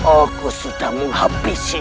aku sudah menghabisi nyi iroh